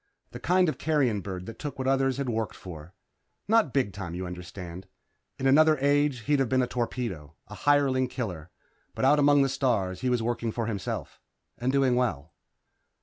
The kind of carrion bird that took what others had worked for. Not big time, you understand. In another age he'd have been a torpedo a hireling killer. But out among the stars he was working for himself. And doing well.